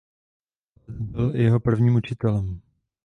Otec byl i jeho prvním učitelem.